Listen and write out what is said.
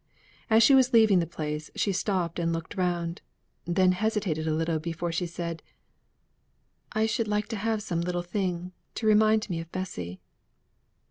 As she was leaving the place, she stopped and looked around; then hesitated a little before she said: "I should like to have some little thing to remind me of Bessy."